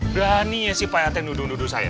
berani ya si payatnya nuduh nuduh saya